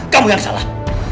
kamu yang salah